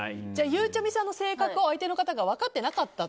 ゆうちゃみさんの性格を相手の方が分かっていなかった？